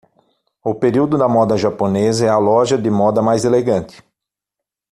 O período da moda japonesa é a loja de moda mais elegante